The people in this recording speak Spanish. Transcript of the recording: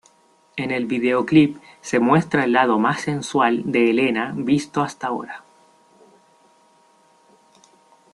En el videoclip se muestra el lado más sensual de Helena visto hasta ahora.